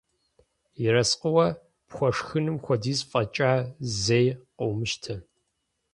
Ерыскъыуэ пхуэшхынум хуэдиз фӀэкӀа зэи къыумыщтэ.